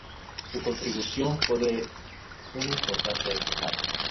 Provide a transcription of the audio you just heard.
Su contribución fue de una importancia destacada.